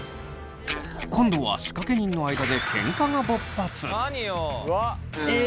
今度は仕掛け人の間でケンカが勃発！